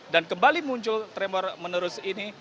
dan kembali muncul tremor menerus ini